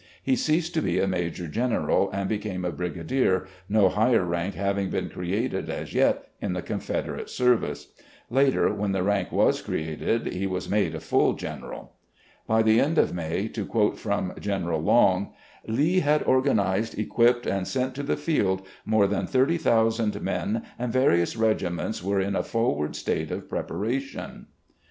He ceased to be a Major General, and became a Brigadier, no higher rank ha^ving been created as yet in the Confederate service. Later, when the rank was created, he was made a full general. By the end of May, to quote from General Long, "Lee had organised, equipped, and sent to the field more than thirty thousand men, and various regiments were in a forward state of preparation."